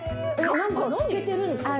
何か漬けてるんですか？